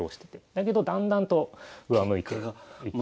だけどだんだんと上向いていった。